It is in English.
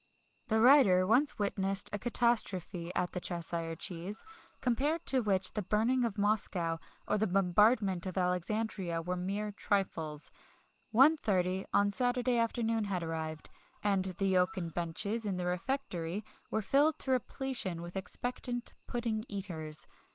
The writer once witnessed a catastrophe at the "Cheshire Cheese," compared to which the burning of Moscow or the bombardment of Alexandria were mere trifles. 1.30 on Saturday afternoon had arrived, and the oaken benches in the refectory were filled to repletion with expectant pudding eaters.